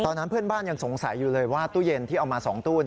ตอนนั้นเพื่อนบ้านยังสงสัยอยู่เลยว่าตู้เย็นที่เอามา๒ตู้